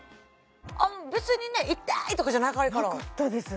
別にね痛いとかじゃないからなかったです